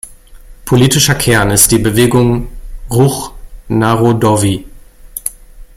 Politischer Kern ist die Bewegung Ruch Narodowy.